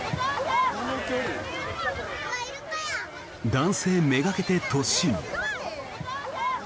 男性めがけて突進。